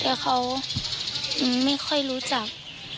แต่เขาไม่ค่อยรู้จัก